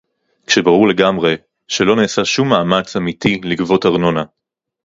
כשברור לגמרי שלא נעשה שום מאמץ אמיתי לגבות ארנונה